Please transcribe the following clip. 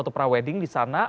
di pantai yang ada di sana